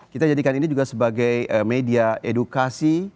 kita jadikan ini juga sebagai media edukasi